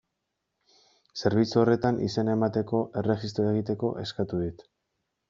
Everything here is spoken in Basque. Zerbitzu horretan izena emateko, erregistroa egiteko, eskatu dit.